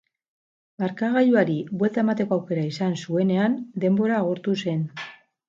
Markagailuari buelta emateko aukera izan zuenean, denbora agortu zen.